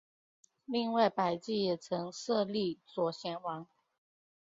另外百济也曾设立左贤王。